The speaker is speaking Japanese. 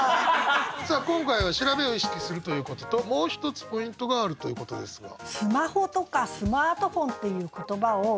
さあ今回は調べを意識するということともう一つポイントがあるということですが。